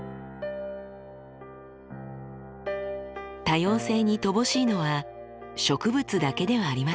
多様性に乏しいのは植物だけではありません。